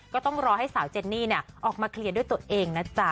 ก็ต้องรอให้สาวเจนนี่ออกมาเคลียร์ด้วยตัวเองนะจ๊ะ